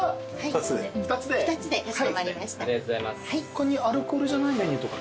他にアルコールじゃないメニューとか。